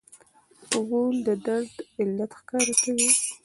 غول د درد علت ښکاره کوي.